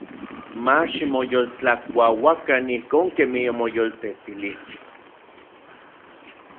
Mach ximoyoltlakuauakan ijkon kemij omoyoltetilijkej.